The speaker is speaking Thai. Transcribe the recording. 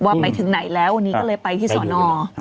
ไปถึงไหนแล้ววันนี้ก็เลยไปที่สอนอ